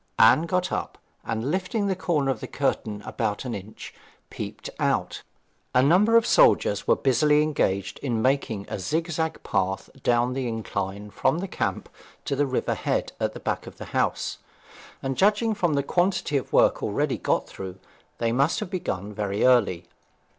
Anne got up, and, lifting the corner of the curtain about an inch, peeped out. A number of soldiers were busily engaged in making a zigzag path down the incline from the camp to the river head at the back of the house, and judging from the quantity of work already got through they must have begun very early.